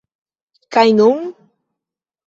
Kaj nun?